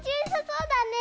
そうだね。